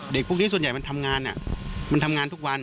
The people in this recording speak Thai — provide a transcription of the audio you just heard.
พวกนี้ส่วนใหญ่มันทำงานมันทำงานทุกวัน